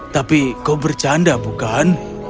tapi kau bercanda bukan